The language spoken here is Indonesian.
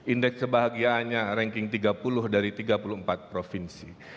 indeks kebahagiaannya ranking tiga puluh dari tiga puluh empat provinsi